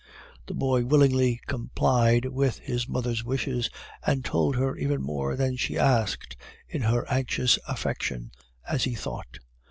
The boy willingly complied with his mother's wishes, and told her even more than she asked in her anxious affection, as he thought.